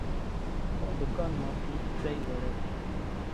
ۮُڪانَ مان ٿِي ۮئِي زڙيَ سي۔